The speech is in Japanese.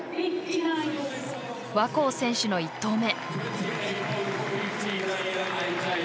若生選手の１投目。